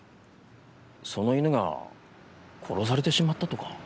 その犬が殺されてしまったとか。